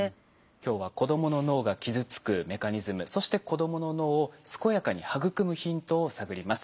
今日は子どもの脳が傷つくメカニズムそして子どもの脳を健やかに育むヒントを探ります。